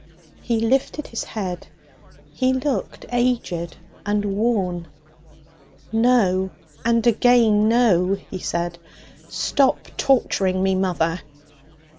He lifted his head. He looked aged and worn. 'No! And again no!' he said. 'Stop torturing me, mother!'